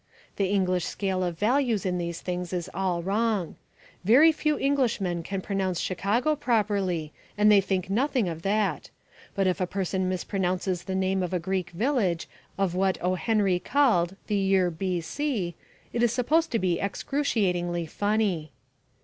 The English scale of values in these things is all wrong. Very few Englishmen can pronounce Chicago properly and they think nothing of that. But if a person mispronounces the name of a Greek village of what O. Henry called "The Year B.C." it is supposed to be excruciatingly funny.